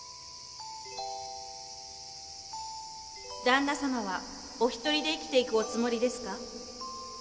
旦那様はお一人で生きていくおつもりですか？